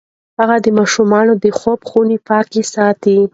هغې د ماشومانو د خوب خونې پاکې ساتي.